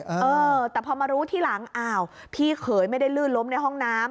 เออแต่พอมารู้ทีหลังอ้าวพี่เขยไม่ได้ลื่นล้มในห้องน้ำ